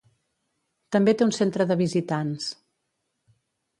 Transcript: També té un centre de visitants.